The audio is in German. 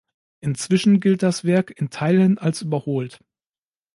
Inzwischen gilt das Werk in Teilen als überholt.